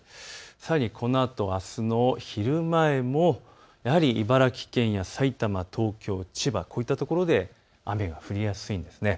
さらにこのあと、あすの昼前も茨城県や埼玉、東京、千葉、こういったところで雨が降りやすいんです。